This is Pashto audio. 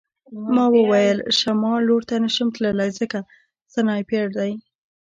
ما وویل شمال لور ته نشم تللی ځکه سنایپر دی